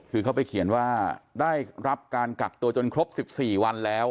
คือเขาไปเขียนว่าได้รับการกักตัวจนครบ๑๔วันแล้ว